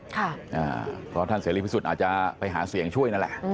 เพราะท่านเสรีพิสุทธิ์อาจจะไปหาเสียงช่วยนั่นแหละ